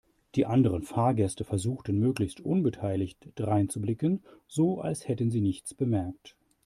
Die anderen Fahrgäste versuchten möglichst unbeteiligt dreinzublicken, so als hätten sie nichts bemerkt.